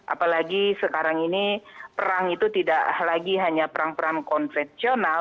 apalagi sekarang ini perang itu tidak lagi hanya perang perang konvensional